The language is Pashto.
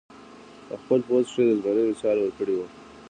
پۀ خپل پوسټ کښې د زمري مثال ورکړے وۀ -